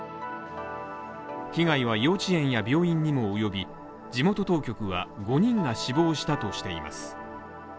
被害は幼稚園や病院にも及び地元当局は、５人が死亡したとしています。